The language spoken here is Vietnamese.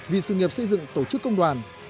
vì sự nghiệp xây dựng tổ chức công đoàn